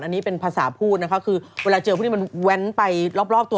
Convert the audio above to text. อันนี้เป็นภาษาพูดนะคะคือเวลาเจอพวกนี้มันแว้นไปรอบตัว